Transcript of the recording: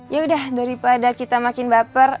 yaudah daripada kita makin baper